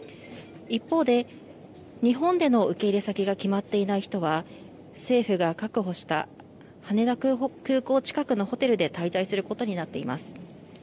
一方で日本での受け入れ先が決まっていない人は政府が確保した羽田空港近くのホテルで滞在することになっています。